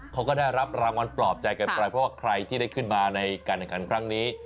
เขาก็ได้รับรางวัลปลอบใจกันไปเพราะว่าคลายที่คือมาในการอันการครั้งนี้